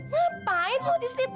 ngapain lo disitu